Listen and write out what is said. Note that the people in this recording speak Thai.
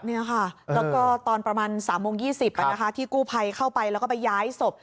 แล้วก็ตอนประมาณ๓โมง๒๐ที่กู้ภัยเข้าไปแล้วก็ไปย้ายศพ